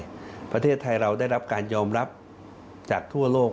ประเทศไทยเราได้รับการยอมรับจากทั่วโลก